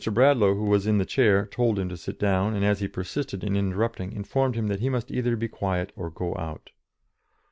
Bradlaugh, who was in the chair, told him to sit down, and, as he persisted in interrupting, informed him that he must either be quiet or go out.